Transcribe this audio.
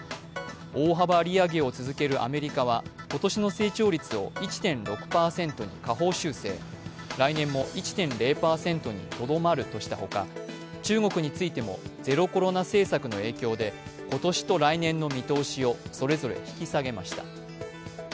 大幅利上げを続けるアメリカは今年の成長率を１．６％に下方修正、来年も１．０％にとどまるとしたほか中国についても、ゼロコロナ政策の影響で今年と来年の見通しをそれぞれ引き下げました。